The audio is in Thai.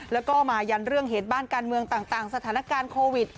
แล้วก็มายันเรื่องเหตุบ้านการเมืองต่างสถานการณ์โควิด